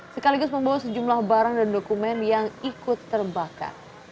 sekaligus membawa sejumlah barang dan dokumen yang ikut terbakar